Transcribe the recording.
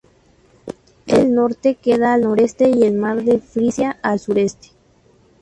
El mar del Norte queda al noroeste y el mar de Frisia al sureste.